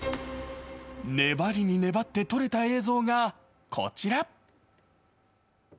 粘りに粘って撮れた映像がこちら。